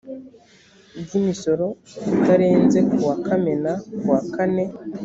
bw imisoro bitarenze ku wa kamena ku wa kane